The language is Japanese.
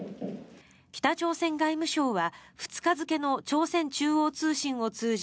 北朝鮮外務省は２日付の朝鮮中央通信を通じ